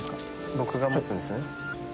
僕が持つんですね。